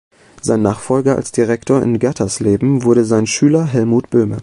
Sein Nachfolger als Direktor in Gatersleben wurde sein Schüler Helmut Böhme.